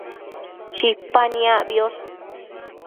Chipa niacbiosh